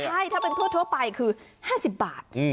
ใช่ถ้าเป็นทั่วไปคือ๕๐บาท